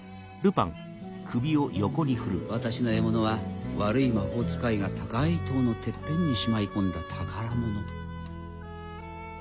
私の獲物は悪い魔法使いが高い塔のてっぺんにしまい込んだ宝物。